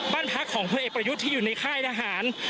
บ้านพักของพลเอกประยุทธ์ที่อยู่ในค่ายทหาร